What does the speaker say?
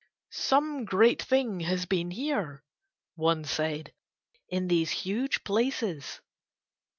"Some great thing has been here," one said, "in these huge places."